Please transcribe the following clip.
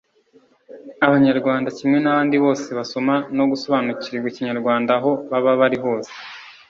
abanyarwanda kimwe n’abandi bose basoma no gusobanukirwa ikinyarwanda aho baba bari hose.